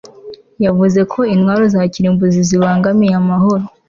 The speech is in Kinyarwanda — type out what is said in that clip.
Yavuze ko intwaro za kirimbuzi zibangamiye amahoro